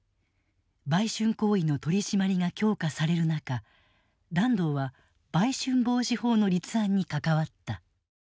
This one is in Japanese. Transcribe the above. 売春行為の取り締まりが強化される中團藤は売春防止法の立案に関わった。